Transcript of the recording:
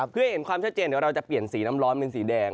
เพื่อให้เห็นความชัดเจนเดี๋ยวเราจะเปลี่ยนสีน้ำร้อนเป็นสีแดง